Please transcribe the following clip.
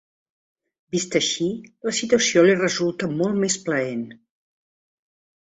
Vista així, la situació li resulta molt més plaent.